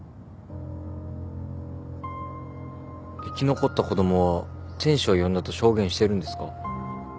生き残った子供は天使を呼んだと証言してるんですか？